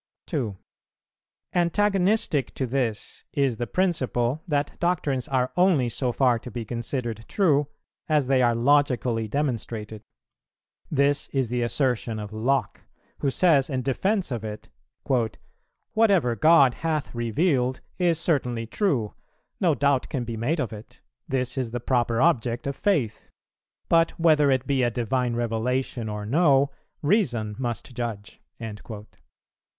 2. Antagonistic to this is the principle that doctrines are only so far to be considered true as they are logically demonstrated. This is the assertion of Locke, who says in defence of it, "Whatever God hath revealed is certainly true; no doubt can be made of it. This is the proper object of Faith; but, whether it be a divine revelation or no, reason must judge."